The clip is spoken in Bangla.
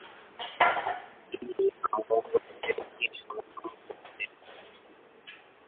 তিনি আওরঙ্গজেবকেই সমর্থন করতেন।